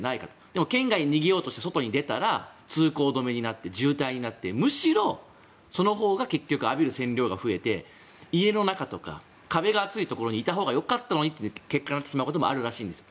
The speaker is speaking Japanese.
でも県外に逃げようとして外に出たら通行止めになって、渋滞になってむしろそのほうが結局、浴びる線量が増えて家の中とか壁が厚いところにいたほうが良かったのにという結果になることもあるらしいんです。